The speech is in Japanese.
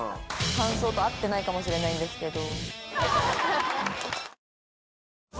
感想と合ってないかもしれないんですけど。